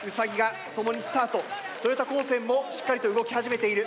豊田高専もしっかりと動き始めている。